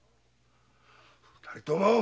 二人とも！